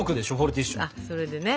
あそれでね。